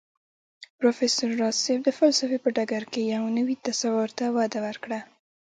پروفېسر راز صيب د فلسفې په ډګر کې يو نوي تصور ته وده ورکړه